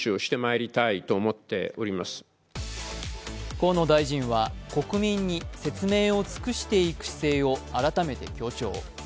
河野大臣は国民に説明を尽くしていく姿勢を改めて強調。